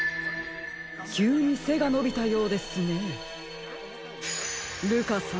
きゅうにせがのびたようですねルカさん。